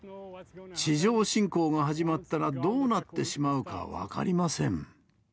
地上侵攻が始まったらどうなってしまうか分かりません。